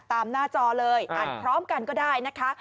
หน้าจอเลยอ่านพร้อมกันก็ได้นะคะ